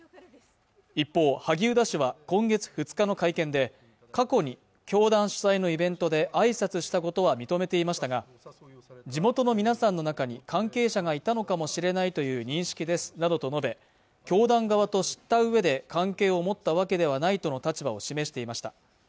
一方萩生田氏は今月２日の会見で過去に教団主催のイベントで挨拶したことは認めていましたが地元の皆さんの中に関係者がいたのかもしれないという認識ですなどと述べ教団側と知ったうえで関係を持ったわけではないとの立場を示していました